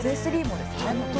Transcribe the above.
「Ｊ３もですね」